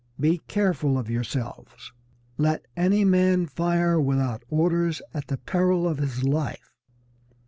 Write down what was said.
Be careful of yourselves. Let any man fire without orders at the peril of his life.